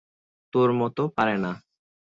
তোর মতো পারে না।